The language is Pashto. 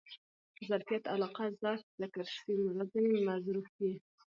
ظرفیت علاقه؛ ظرف ذکر سي مراد ځني مظروف يي.